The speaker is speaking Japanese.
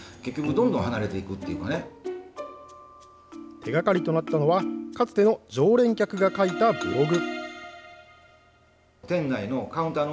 手がかりとなったのがかつての常連客が書いたブログ。